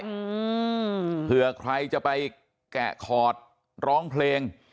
อืมเผื่อใครจะไปแกะขอดร้องเพลง